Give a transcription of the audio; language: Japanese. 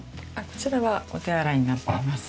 こちらはお手洗いになっています。